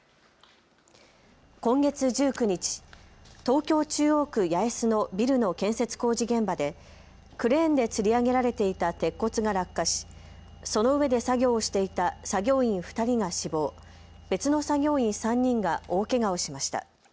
今月１９日、東京中央区八重洲のビルの建設工事現場でクレーンでつり上げられていた鉄骨が落下し、その上で作業をしていた作業員２人が死亡、別の作業員３人が大けがをしました。